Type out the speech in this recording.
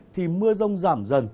thì mưa rông giảm dần